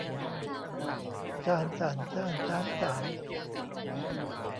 จาน จ่าน จ้าน จ๊าน จ๋าน